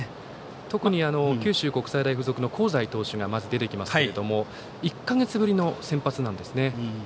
特に九州国際大付属の香西投手がまず、出てきますけれども１か月ぶりの先発なんですね。